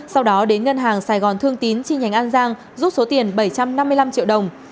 sau đó đến ngân hàng sài gòn thương tín chi nhánh an giang rút số tiền bảy trăm năm mươi năm triệu đồng